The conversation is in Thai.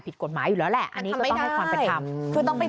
ผิดกฎหมายอยู่แล้วแหละอันนี้ก็ให้ความเป็นความคือต้องไป